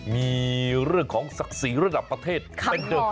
มีเรื่องของศักดิ์ศรีระดับประเทศเป็นเดิม